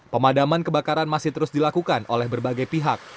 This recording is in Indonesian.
pemadaman kebakaran masih terus dilakukan oleh berbagai pihak